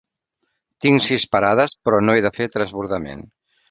Tinc sis parades, però no he de fer transbordament.